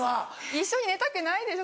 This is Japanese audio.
一緒に寝たくないでしょ